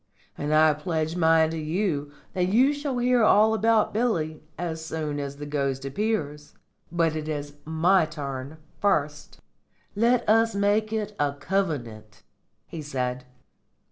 "And I pledge mine to you that you shall hear all about Billy as soon as the ghost appears. But it is my turn first." "Let us make it a covenant," he said.